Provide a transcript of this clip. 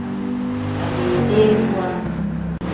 Aleleeriwa.